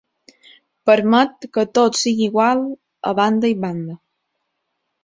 Permet que tot sigui igual a banda i banda.